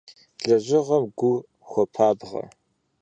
Лэжьыгъэм гур хуопабгъэ.